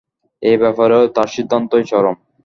এ ব্যাপারেও তার সিদ্ধান্তই চরম।